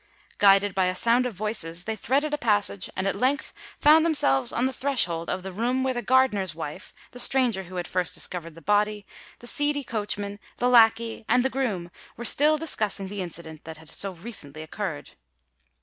Guided by a sound of voices, they threaded a passage, and at length found themselves on the threshold of the room where the gardener's wife, the stranger who had first discovered the body, the seedy coachman, the lacquey, and the groom, were still discussing the incident that had so recently occurred.